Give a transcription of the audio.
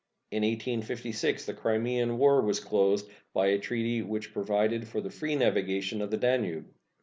In 1856 the Crimean War was closed by a treaty which provided for the free navigation of the Danube.